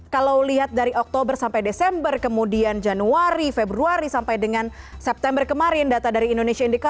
kalau lihat dari oktober sampai desember kemudian januari februari sampai dengan september kemarin data dari indonesia indicator